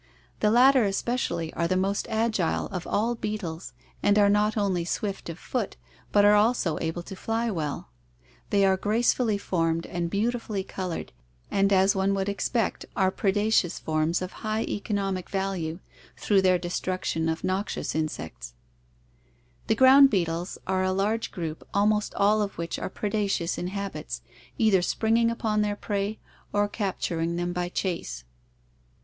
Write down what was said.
The latter especially are the most agile of all beetles and are not only swift of foot, but are also able to fly well. They are gracefully Fig. i2o.— Fish formed and beautifully colored and, as one would moth, Leptsma ., J . e J. , sp. (From j. B. expect, are predaceous forms of high economic Smith's Economic value through their destruction of noxious insects. Entomology.) jjie g,.oun(j beetles are a large group almost all of which are predaceous in habits, either springing upon their prey or capturing them by chase.